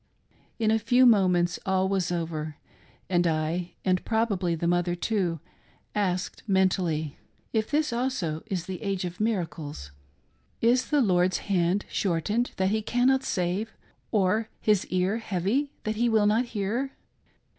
In a few moments all was over ; and I — and probably the mother, too — asked mentally; — if this also is the age of mir FAITH GIVES PLACE TO THE DOCTOR. 89 acles —" is the Lord's hand shortened that He cannot save, or His ear heavy that He will not hear?"